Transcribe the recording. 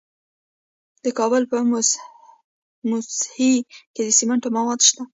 د کابل په موسهي کې د سمنټو مواد شته.